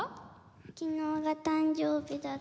昨日が誕生日だったからです。